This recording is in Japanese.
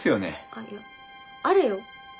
あいやあるよ。